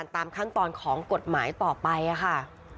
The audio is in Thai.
ตามขั้นตอนของกฎหมายต่อไปค่ะ